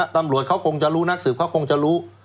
ตำรวจเขาคงจะรู้นักสืบเขาคงจะรู้